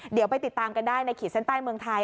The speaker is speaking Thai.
เดี๋ยวไปติดตามกันได้ในขีดเส้นใต้เมืองไทย